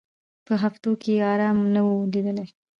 په هفتو کي یې آرام نه وو لیدلی